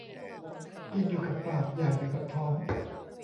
กินอยู่กับปาก อยากอยู่กับท้อง